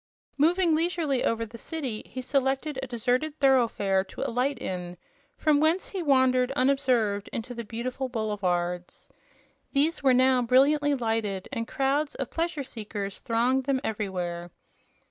Moving leisurely over the city, he selected a deserted thoroughfare to alight in, from whence he wandered unobserved into the beautiful boulevards. These were now brilliantly lighted, and crowds of pleasure seekers thronged them everywhere.